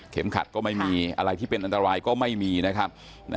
ขัดก็ไม่มีอะไรที่เป็นอันตรายก็ไม่มีนะครับ